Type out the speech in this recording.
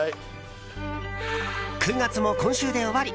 ９月も今週で終わり！